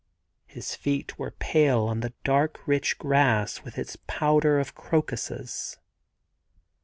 ... His feet were pale on the dark rich grass with its powder of crocuses.